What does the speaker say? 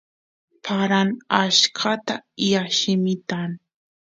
paran achkata y allimitan